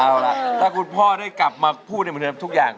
เอาล่ะถ้าคุณพ่อได้กลับมาพูดในเหมือนเดิมทุกอย่าง